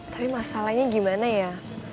tapi masalahnya gimana ya